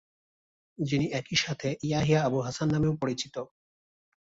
যিনি একই সাথে ইয়াহিয়া আবু হাসান নামেও পরিচিত।